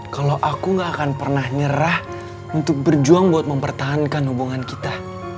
kalau aku gak akan pernah nyerah untuk berjuang buat mempertahankan hubungan kita